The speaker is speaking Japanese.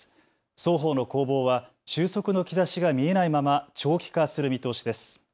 双方の攻防は収束の兆しが見えないまま長期化する見通しです。